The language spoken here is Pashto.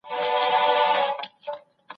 ته باید د هري پوښتني ځواب په دلیل ومومې.